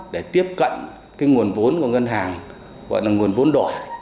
để tiếp cận cái nguồn vốn của ngân hàng gọi là nguồn vốn đòi